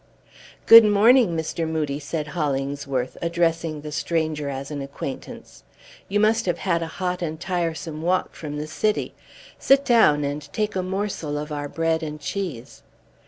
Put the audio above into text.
"Good morning, Mr. Moodie," said Hollingsworth, addressing the stranger as an acquaintance; "you must have had a hot and tiresome walk from the city. Sit down, and take a morsel of our bread and cheese."